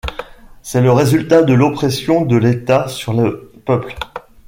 C’est le résultat de l’oppression de l’état sur le peuple.